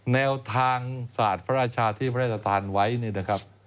แนวทางศาสตร์พระราชาที่พระราชทานไว้นี่นะครับ